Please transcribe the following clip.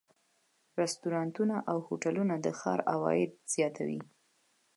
رستورانتونه او هوټلونه د ښار عواید زیاتوي.